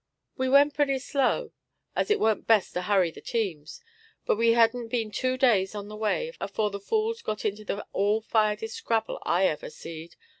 "We went purty slow, as it weren't best to hurry the teams; but we hadn't been two days on the way afore the fools got into the all firedest scrabble I ever seed.